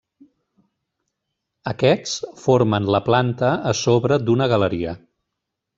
Aquests formen la planta a sobre d'una galeria.